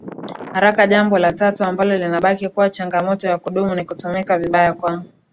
harakaJambo la tatu ambalo linabaki kuwa changamoto ya kudumu ni kutumika vibaya kwa